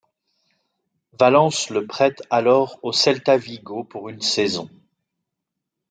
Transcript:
Valence le prête alors aux Celta Vigo pour une saison.